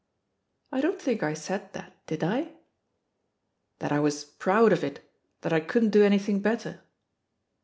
"I don't think I said that, did I?" "That I was *proud' of it, that I couldn't do anything better?"